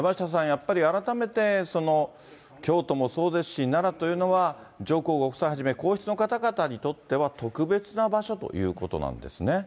やっぱり、改めて京都もそうですし、奈良というのは、上皇ご夫妻をはじめ、皇室の方々にとっては特別な場所ということなんですね。